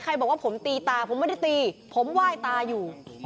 บอกว่าผมตีตาผมไม่ได้ตีผมไหว้ตาอยู่